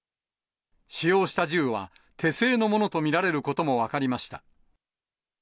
使用した銃は手製のものと見られることも分かりました。